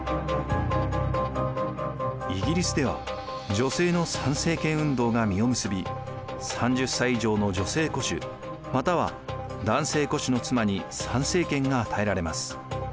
イギリスでは女性の参政権運動が実を結び３０歳以上の女性戸主または男性戸主の妻に参政権が与えられます。